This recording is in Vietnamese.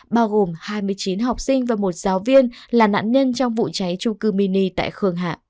bao gồm hai mươi chín học sinh và một giáo viên là nạn nhân trong vụ cháy trung cư mini tại khương hạ